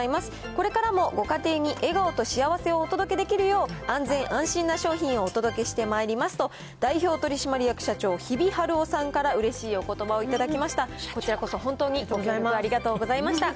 これからもご家庭に笑顔と幸せをお届けできるよう、安全安心な商品をお届けしてまいりますと、代表取締役社長、日比治雄さんからうれしいおことばを頂きました。